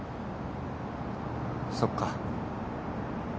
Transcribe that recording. そっか。